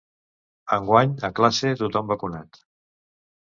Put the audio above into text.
Enguany, a classe tothom vacunat!